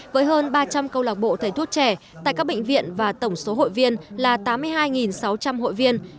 với hơn ba trăm linh câu lạc bộ thầy thuốc trẻ tại các bệnh viện và tổng số hội viên là tám mươi hai sáu trăm linh hội viên